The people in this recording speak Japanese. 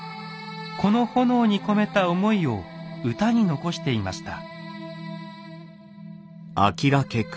この炎に込めた思いを歌に残していました。